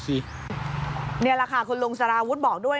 นี่แหละค่ะคุณลุงสารวุฒิบอกด้วย